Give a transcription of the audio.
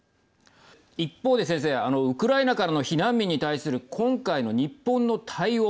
一方で先生、ウクライナからの避難民に対する今回の日本の対応